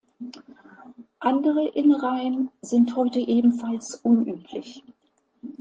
Andere Innereien sind heute ebenfalls unüblich.